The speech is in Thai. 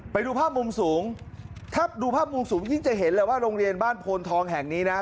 ไปดูภาพมุมสูงถ้าดูภาพมุมสูงยิ่งจะเห็นแหละว่าโรงเรียนบ้านโพนทองแห่งนี้นะ